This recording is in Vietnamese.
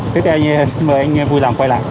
thế thì anh mời anh vui lòng quay lại